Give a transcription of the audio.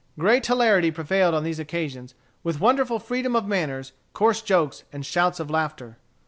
Great hilarity prevailed on these occasions, with wonderful freedom of manners, coarse jokes, and shouts of laughter.